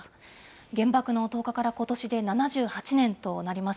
原爆の投下からことしで７８年となります。